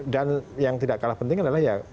dan yang tidak kalah penting adalah